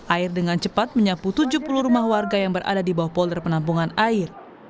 air dengan cepat menyapu tujuh puluh rumah warga yang berada di bawah polder penampungan air